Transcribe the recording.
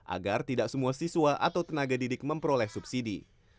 agar tidak semua siswa atau tenaga didik memperoleh subsidi